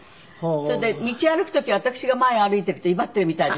それで道歩く時私が前歩いていくと威張ってるみたいでしょ？